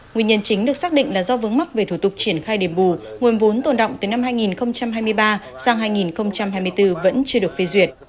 nguyên nhân chính được xác định là do vướng mắc về thủ tục triển khai điểm bù nguồn vốn tồn động từ năm hai nghìn hai mươi ba sang hai nghìn hai mươi bốn vẫn chưa được phê duyệt